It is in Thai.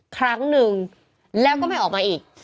ครั้งหนึ่งแล้วก็ไม่ออกมาอีก